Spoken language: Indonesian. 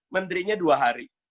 menterinya dua hari